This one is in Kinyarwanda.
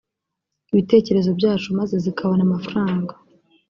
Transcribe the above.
ibitekerezo byacu maze zikabona amafaranga